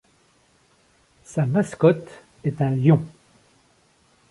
Sa mascotte est un lion.